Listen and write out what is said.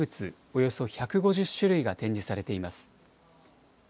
およそ１５０種類が展示されています。